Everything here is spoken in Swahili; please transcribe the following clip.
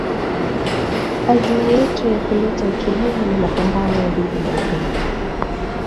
azma yetu ya kuleta utulivu na mapambano dhidi ya ugaidi